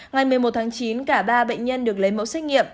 ngày một mươi một tháng chín cả ba bệnh nhân được lấy mẫu xét nghiệm